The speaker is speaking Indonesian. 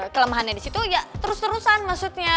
kelemahannya di situ ya terus terusan maksudnya